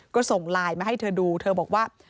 ก็ส่งไลน์มาให้เธอดูเธอบอกว่า